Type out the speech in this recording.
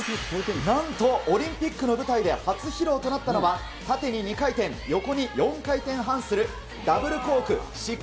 なんと、オリンピックの舞台で初披露となったのは、縦に２回転、横に４回転半するダブルコーク１６２０。